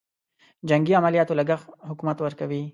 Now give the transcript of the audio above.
جنګي عملیاتو لګښت حکومت ورکوي.